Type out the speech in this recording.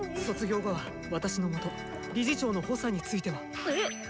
卒業後は私のもと理事長の補佐については？えっ？